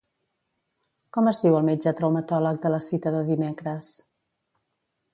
Com es diu el metge traumatòleg de la cita de dimecres?